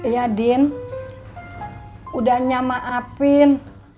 ya din udah nyama apin